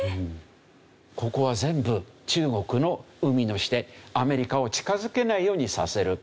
ここは全部中国の海にしてアメリカを近づけないようにさせる。